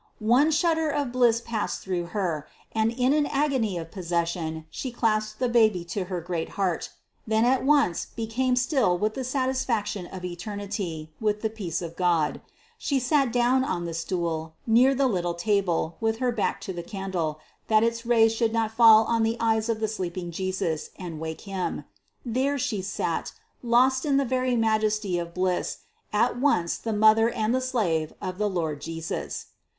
One shudder of bliss passed through her, and in an agony of possession she clasped the baby to her great heart then at once became still with the satisfaction of eternity, with the peace of God. She sat down on the stool, near the little table, with her back to the candle, that its rays should not fall on the eyes of the sleeping Jesus and wake him: there she sat, lost in the very majesty of bliss, at once the mother and the slave of the Lord Jesus.